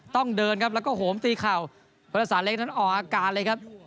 ต้องเดินครับแล้วก็โหมตีเข่าพุทธศาสเล็กนั้นออกอาการเลยครับ